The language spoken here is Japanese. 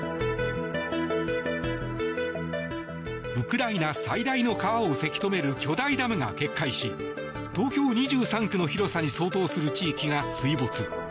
ウクライナ最大の川をせき止める巨大なダムが決壊し東京２３区の広さに相当する地域が水没。